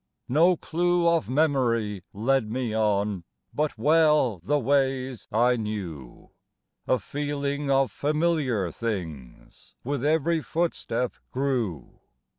No clue of memory led me on, But well the ways I knew; A feeling of familiar things With every footstep grew.